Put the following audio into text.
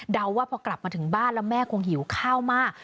ว่าพอกลับมาถึงบ้านแล้วแม่คงหิวข้าวมาก